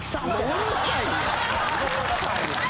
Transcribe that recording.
うるさいわ！